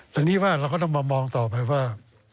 ทีนี้ว่าเราก็ต้องมามองต่อไปว่า